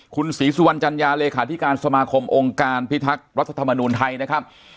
คุณศรีสุวรรณจัญญาเลขาธิการสมาคมองค์การพิทักษ์รัฐธรรมนูญไทยนะครับ